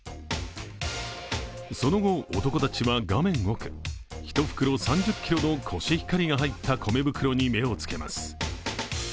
その後、男たちは画面奥、１袋３０ｋｇのコシヒカリが入った米袋に目をつけます。